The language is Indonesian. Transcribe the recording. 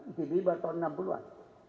itb baru tahun enam puluh an